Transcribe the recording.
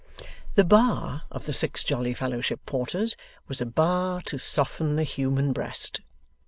The bar of the Six Jolly Fellowship Porters was a bar to soften the human breast.